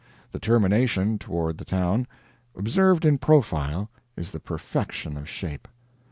The termination, toward the town, observed in profile, is the perfection of shape.